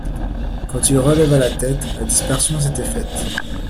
Quand il releva la tête, la dispersion s’était faite.